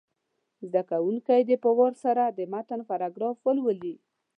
زده کوونکي دې په وار سره د متن پاراګراف ولولي.